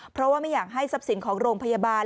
เพราะว่าไม่อยากให้ทรัพย์สินของโรงพยาบาล